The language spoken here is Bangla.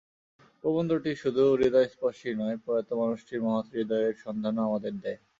প্রবন্ধটি শুধু হৃদয়স্পর্শী নয়, প্রয়াত মানুষটির মহৎ হৃদয়ের সন্ধানও আমাদের দেয়।